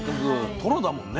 トロだもんね。